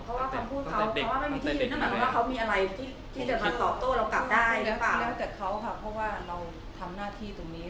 เพราะว่าคำพูดเขาเพราะว่าไม่มีที่ยืนนั่นหมายความว่าเขามีอะไรที่จะมาตอบโต้เรากลับได้หรือเปล่า